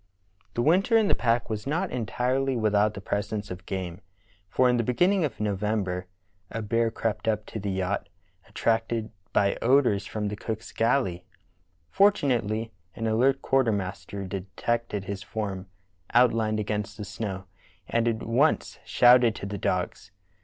The winter in the pack was not entirely without the presence of game, for in the beginning of November a bear crept up to the yacht, attracted by odors from the Heroic Devotion of Lady Jane Franklin 175 cook's galley. Fortunately an alert quartermaster de tected his form outlined against the snow and at once shouted to the dogs.